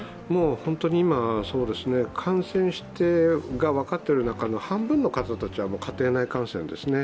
本当に今はそうですね、感染が分かっている中の半分の方たちは家庭内感染ですね。